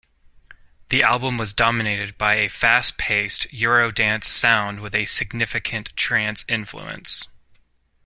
The album was dominated by a fast-paced Eurodance sound with a significant trance influence.